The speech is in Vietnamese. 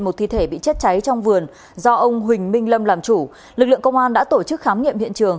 một thi thể bị chết cháy trong vườn do ông huỳnh minh lâm làm chủ lực lượng công an đã tổ chức khám nghiệm hiện trường